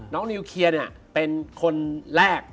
นิวเคลียร์เนี่ยเป็นคนแรก